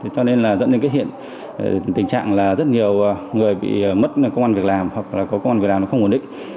cho nên là dẫn đến cái hiện tình trạng là rất nhiều người bị mất công an việc làm hoặc là có công an việc làm nó không ổn định